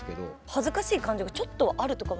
恥ずかしい感情がちょっとあるとか。